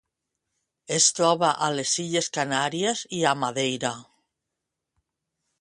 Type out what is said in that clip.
Es troba a les Illes Canàries i a Madeira.